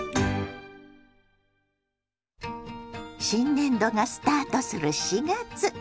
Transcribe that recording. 新年度がスタートする４月。